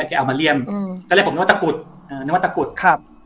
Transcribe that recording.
จะเอามาเลี่ยมอืมก็เลยผมนึกว่าตะกรุดเอ่อนึกว่าตะกรุดครับ